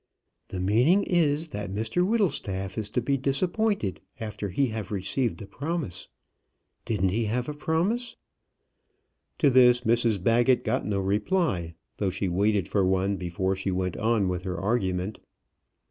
"The meaning is, that Mr Whittlestaff is to be disappointed after he have received a promise. Didn't he have a promise?" To this Mrs Baggett got no reply, though she waited for one before she went on with her argument.